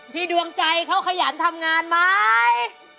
ดวงใจเขาขยันทำงานไหม